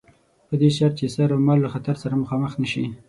په دې شرط چې سر اومال له خطر سره مخامخ نه شي.